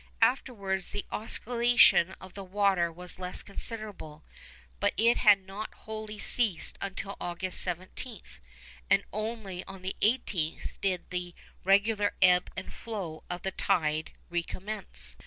Afterwards the oscillation of the water was less considerable, but it had not wholly ceased until August 17, and only on the 18th did the regular ebb and flow of the tide recommence.